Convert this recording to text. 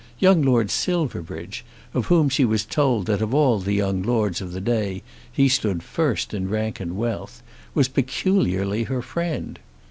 Young Lord Silverbridge, of whom she was told that of all the young lords of the day he stood first in rank and wealth, was peculiarly her friend.